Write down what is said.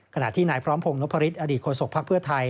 ขณะที่ไหนพร้อมพงษ์นพระฤทธิ์อดีตโคศกภักดิ์เพื่อไทย